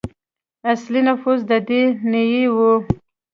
اصلي نفوس د دې نیيي وو.